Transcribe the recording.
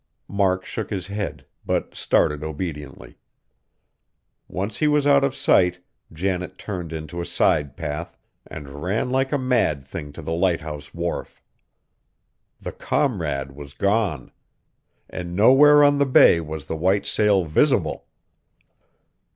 Mark shook his head, but started obediently. Once he was out of sight, Janet turned into a side path, and ran like a mad thing to the lighthouse wharf. The Comrade was gone! And nowhere on the bay was the white sail visible!